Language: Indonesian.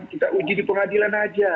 kita uji di pengadilan aja